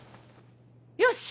よし！